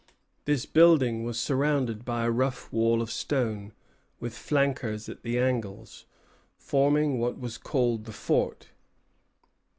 This building was surrounded by a rough wall of stone, with flankers at the angles, forming what was called the fort.